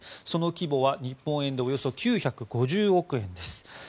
その規模は日本円でおよそ９５０億円です。